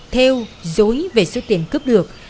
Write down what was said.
thêu dối về số tiền cướp được